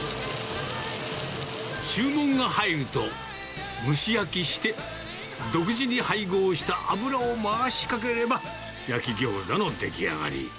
注文が入ると、蒸し焼きして独自に配合した油を回しかければ、焼きギョーザの出来上がり。